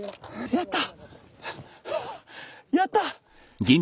やった！